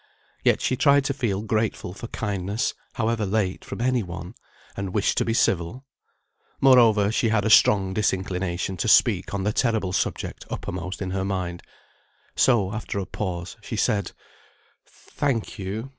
Yet she tried to feel grateful for kindness (however late) from any one, and wished to be civil. Moreover, she had a strong disinclination to speak on the terrible subject uppermost in her mind. So, after a pause she said, "Thank you.